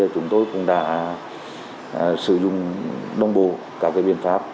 chúng tôi cũng đã sử dụng đồng bộ các biện pháp